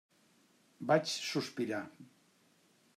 Vaig sospirar.